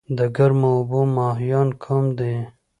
د ګرمو اوبو ماهیان کوم دي؟